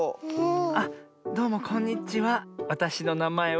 あっどうもこんにちは。